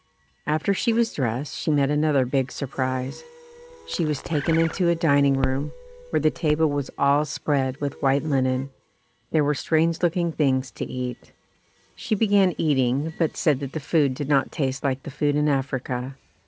After she was dressed, she met another big sur prise. She was taken into a dining room, where the table was all spread with white linen. There were strange looking things to eat. She began 170 ] UNSUNG HEROES eating, but said that the food did not taste like the food in Africa.